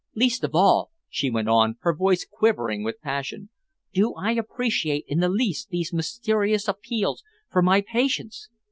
Least of all," she went on, her voice quivering with passion, "do I appreciate in the least these mysterious appeals for my patience.